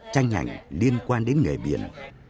tranh ảnh liên quan đến nghề biển